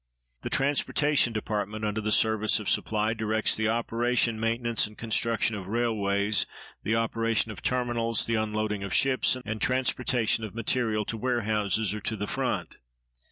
The transportation department under the Service of Supply directs the operation, maintenance, and construction of railways, the operation of terminals, the unloading of ships, and transportation of material to warehouses or to the front.